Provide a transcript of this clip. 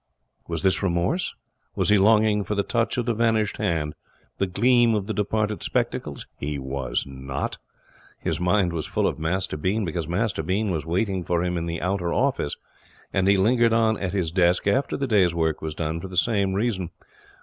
Was this remorse? Was he longing for the touch of the vanished hand, the gleam of the departed spectacles? He was not. His mind was full of Master Bean because Master Bean was waiting for him in the outer office; and he lingered on at his desk, after the day's work was done, for the same reason.